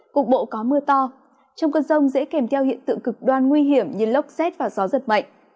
cục bộ có mưa to trong cơn rông dễ kèm theo hiện tượng cực đoan nguy hiểm như lốc xét và gió giật mạnh